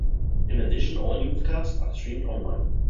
In addition, all newscasts are streamed online.